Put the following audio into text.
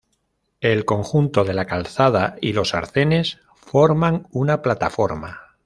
El conjunto de la calzada y los arcenes forman una plataforma.